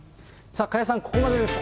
加谷さん、ここまでです。